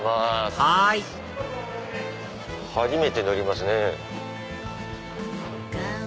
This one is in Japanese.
はい初めて乗りますね。